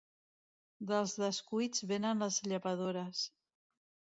Dels descuits venen les llevadores.